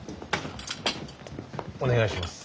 お願いします。